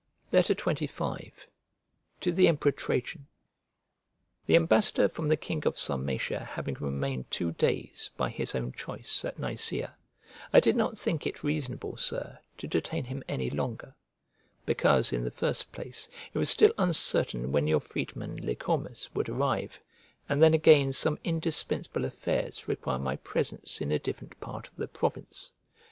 XXV To THE EMPEROR TRAJAN THE ambassador from the king of Sarmatia having remained two days, by his own choice, at Nicea, I did not think it reasonable, Sir, to detain him any longer: because, in the first place, it was still uncertain when your freedman, Lycormas, would arrive, and then again some indispensable affairs require my presence in a different part of the province.